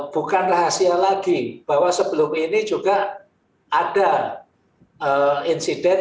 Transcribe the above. bukan rahasia lagi bahwa sebelum ini juga ada insiden